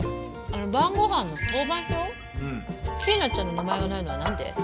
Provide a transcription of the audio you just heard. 晩ご飯の当番表キイナちゃんの名前がないのは何で？